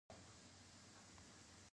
د تاریخي ځایونو ورانول هویت ورکوي.